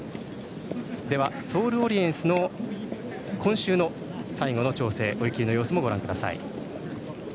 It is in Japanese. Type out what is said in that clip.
ソールオリエンスの今週の最後の調整追い切りの様子です。